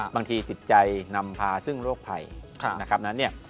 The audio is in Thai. บางทีจิตใจนำพาซึ่งรูปภัย